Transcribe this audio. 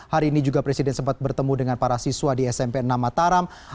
hari ini juga presiden sempat bertemu dengan para siswa di smp nama taram